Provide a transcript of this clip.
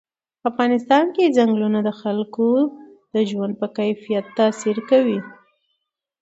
په افغانستان کې چنګلونه د خلکو د ژوند په کیفیت تاثیر کوي.